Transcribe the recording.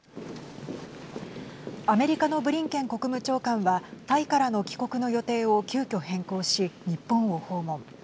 アメリカのブリンケン国務長官はタイからの帰国の予定を急きょ変更し日本を訪問。